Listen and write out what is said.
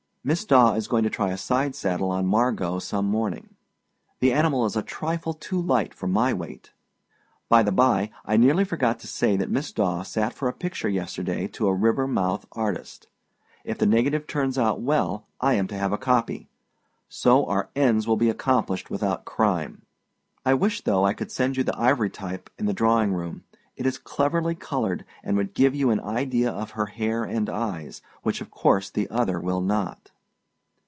Miss Daw is going to try a side saddle on Margot some morning. The animal is a trifle too light for my weight. By the bye, I nearly forgot to say that Miss Daw sat for a picture yesterday to a Rivermouth artist. If the negative turns out well, I am to have a copy. So our ends will be accomplished without crime. I wish, though, I could send you the ivorytype in the drawing room; it is cleverly colored, and would give you an idea of her hair and eyes, which of course the other will not.